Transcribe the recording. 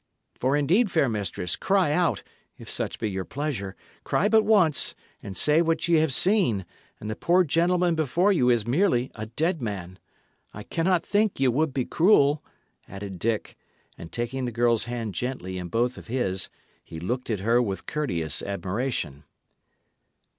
For, indeed, fair mistress, cry out if such be your pleasure cry but once, and say what ye have seen, and the poor gentleman before you is merely a dead man. I cannot think ye would be cruel," added Dick; and taking the girl's hand gently in both of his, he looked at her with courteous admiration.